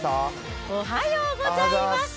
おはようございます。